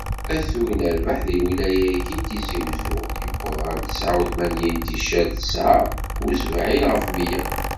Atug n rrbeḥ di lwilya-agi n Tizi Uzzu, yewweḍ ɣer tesεa u tmanyin ticcert tesεa u sebεin ɣef mya.